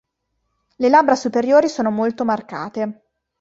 Le labbra superiori sono molto marcate.